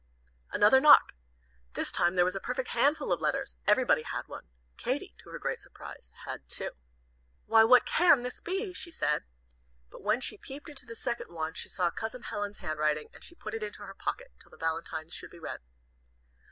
Another knock. This time there was a perfect handful of letters. Everybody had one. Katy, to her great surprise, had two. "Why, what can this be?" she said. But when she peeped into the second one, she saw Cousin Helen's handwriting, and she put it into her pocket, till the valentines should be read.